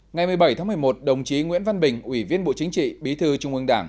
ngày một mươi bảy tháng một mươi một đồng chí nguyễn văn bình ủy viên bộ chính trị bí thư trung ương đảng